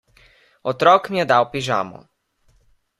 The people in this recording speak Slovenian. Otrok mi je dal pižamo.